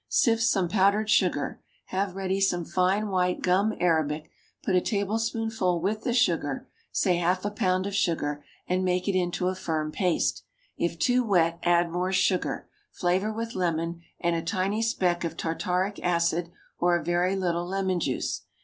Sift some powdered sugar. Have ready some fine white gum arabic, put a tablespoonful with the sugar (say half a pound of sugar), and make it into a firm paste; if too wet, add more sugar, flavor with lemon and a tiny speck of tartaric acid or a very little lemon juice.